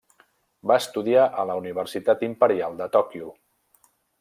Va estudiar a la Universitat Imperial de Tòquio.